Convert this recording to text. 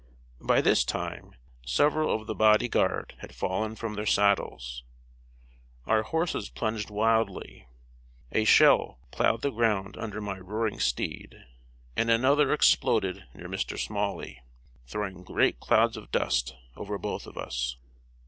By this time, several of the body guard had fallen from their saddles. Our horses plunged wildly. A shell plowed the ground under my rearing steed, and another exploded near Mr. Smalley, throwing great clouds of dust over both of us.